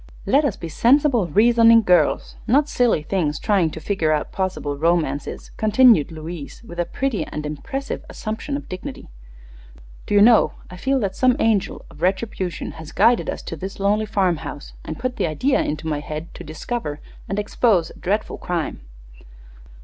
"Let us be sensible, reasoning girls; not silly things trying to figure out possible romances," continued Louise, with a pretty and impressive assumption of dignity. "Do you know, I feel that some angel of retribution has guided us to this lonely farmhouse and put the idea into my head to discover and expose a dreadful crime."